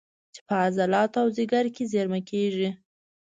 چې په عضلاتو او ځیګر کې زېرمه کېږي